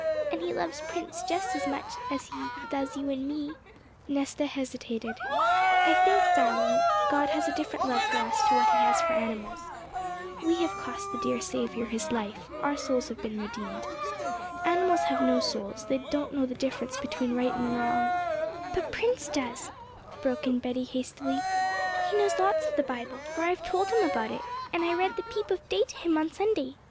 And He loves Prince just as much as He does you and me.' Nesta hesitated. 'I think, darling, God has a different love for us to what He has for animals. We have cost the dear Saviour His life; our souls have been redeemed. Animals have no souls, they do not know the difference between right and wrong ' 'But Prince does,' broke in Betty hastily; 'he knows lots of the Bible, for I've told him about it, and I read The Peep of Day to him on Sunday.